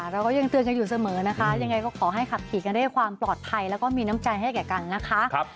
เราก็ยังเตือนกันอยู่เสมอนะคะยังไงก็ขอให้ขับขี่กันด้วยความปลอดภัยแล้วก็มีน้ำใจให้แก่กันนะคะ